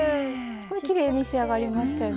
きれいに仕上がりましたよね。